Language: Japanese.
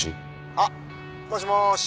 あっもしもーし。